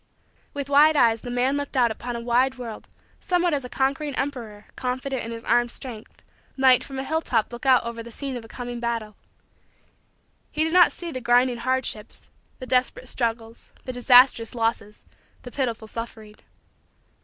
With wide eyes the man looked out upon a wide world somewhat as a conquering emperor, confident in his armed strength, might from a hilltop look out over the scene of a coming battle. He did not see the grinding hardships, the desperate struggles, the disastrous losses, the pitiful suffering.